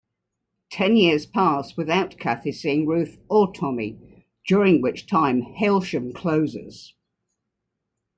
Ten years pass without Kathy seeing Ruth or Tommy, during which time Hailsham closes.